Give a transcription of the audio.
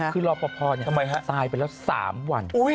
คือรอพอเนี่ยทรายไปแล้ว๓วัน